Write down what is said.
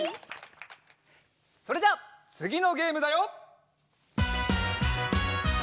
それじゃあつぎのゲームだよ！